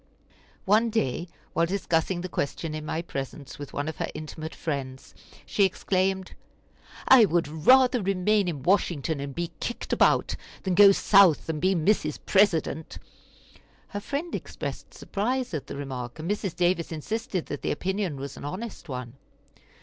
One day, while discussing the question in my presence with one of her intimate friends, she exclaimed: "I would rather remain in Washington and be kicked about, than go South and be Mrs. President." Her friend expressed surprise at the remark, and Mrs. Davis insisted that the opinion was an honest one.